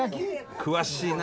詳しいな。